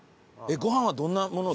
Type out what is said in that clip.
ご飯はどんなものを？